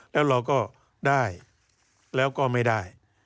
แล้วเราก็ได้แล้วก็ไม่ได้